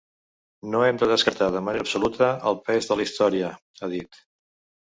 No hem de descartar de manera absoluta el pes de la història, ha dit.